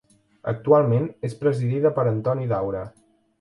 Actualment, és presidida per Antoni Daura.